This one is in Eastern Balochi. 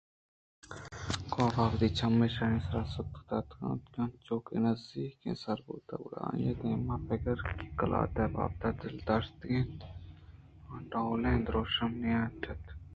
کاف ءَ وتی چم ایشیءِ سر سکّ دات اَنت انچوکہ آ نزّیکءَ سر بوت گُڑا آئی ءَہما پگر کہ قلات ءِ بابتءَدل ءَ داشتگ ات آ ڈولیں درٛوشمے ئے نہ جت